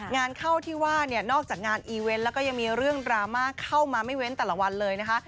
งานเข้าที่ว่าเนี่ยนอกจากงานอีเวนต์แล้วก็ยังมีเรื่องดราม่าเข้ามาไม่เว้นแต่ละวันเลยนะคะ